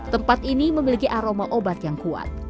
tempat ini memiliki aroma obat yang kuat